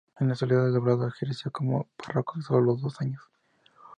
En Soledad de Doblado ejerció como párroco solo dos años.